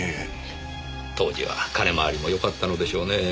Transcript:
当時は金回りもよかったのでしょうねぇ。